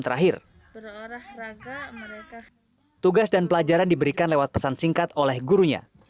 terakhir tugas dan pelajaran diberikan lewat pesan singkat oleh gurunya